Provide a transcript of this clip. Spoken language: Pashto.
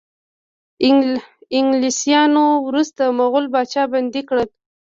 انګلیسانو وروستی مغول پاچا بندي کړ.